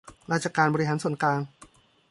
ราชการบริหารส่วนกลาง